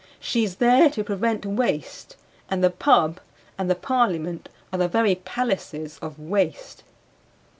She is there to prevent waste; and the "pub" and the parliament are the very palaces of waste.